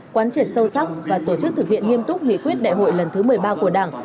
quán triệt sâu sắc và tổ chức thực hiện nghiêm túc nghị quyết đại hội lần thứ một mươi ba của đảng